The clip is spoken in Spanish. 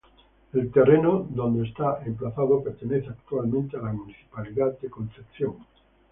El terreno donde está emplazado pertenece actualmente a la municipalidad de Concepción.